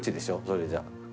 それじゃ。